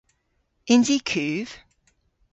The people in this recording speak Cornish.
Yns i kuv?